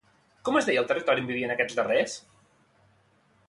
Com es deia el territori on vivien aquests darrers?